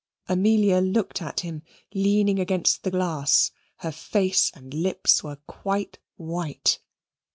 Amelia looked at him, leaning against the glass: her face and her lips were quite white.